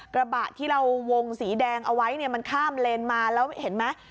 กระบะที่เราวงสีแดงเอาไว้เนี่ยมันข้ามเลนมาแล้วเห็นไหม